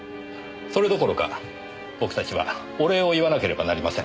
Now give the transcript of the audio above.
それどころか僕たちはお礼を言わなければなりません。